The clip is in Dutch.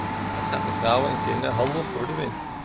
Het gaat de vrouwen- en kinderhandel voor de wind.